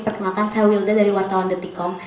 perkenalkan saya wilda dari wartawan detikkom